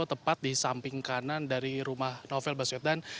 tepat di samping kanan dari rumah novel baswedan